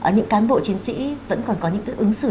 những cán bộ chiến sĩ vẫn còn có những cái ứng xử